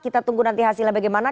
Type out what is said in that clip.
kita tunggu nanti hasilnya bagaimana